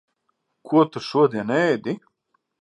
Ko tu šodien ēdi?